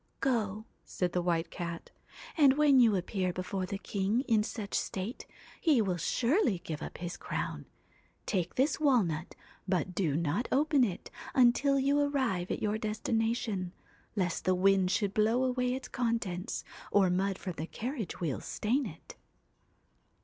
' Go,' said the White Cat, ' and when you appear before the king in such state, he will surely give up his crown. Take this walnut, but do not open it until you arrive at your destination, lest the wind should blow away its contents, or mud from the carriage wheels stain it.'